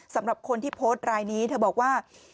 สำหรับคนที่โพสต์รายนี้เธอบอกว่า